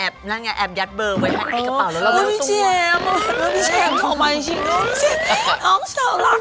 แอบนั่นไงแอบยัดเบอร์ไว้ในกระเป๋าเลย